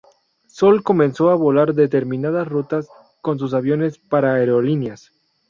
Sol comenzó a volar determinadas rutas con sus aviones, para Aerolíneas.